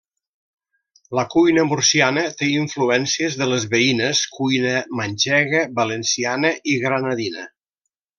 La cuina murciana té influències de les veïnes cuina manxega, valenciana i granadina.